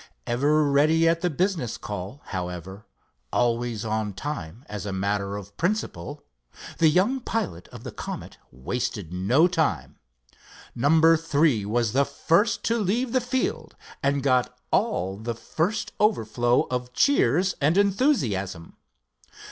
Ever ready at the business call, however; always on time as a matter of principle, the young pilot of the Comet wasted no time. Number three was the first to leave the field, and got all the first overflow of cheers and enthusiasm.